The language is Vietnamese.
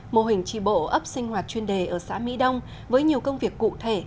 mô hình tri bộ ấp sinh hoạt chuyên đề ở xã mỹ đông với nhiều công việc cụ thể